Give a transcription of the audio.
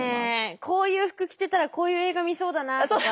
こういう服着てたらこういう映画見そうだなとか。